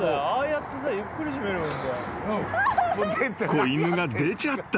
［子犬が出ちゃった］